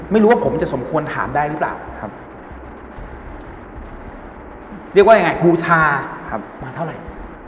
ไม่รู้ว่าผมจะสมควรถามได้หรือเปล่าครับเรียกว่ายังไงบูชามาเท่าไหร่